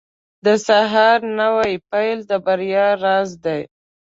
• د سهار نوی پیل د بریا راز دی.